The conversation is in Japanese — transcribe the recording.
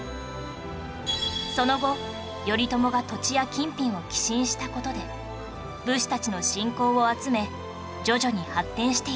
その後頼朝が土地や金品を寄進した事で武士たちの信仰を集め徐々に発展していったのです